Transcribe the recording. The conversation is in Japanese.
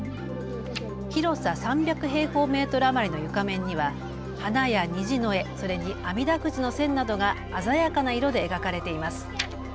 広さ３００平方メートル余りの床面には花や虹の絵、それにあみだくじの線などが鮮やかな色で描かれています。